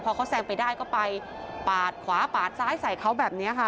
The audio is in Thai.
พอเขาแซงไปได้ก็ไปปาดขวาปาดซ้ายใส่เขาแบบนี้ค่ะ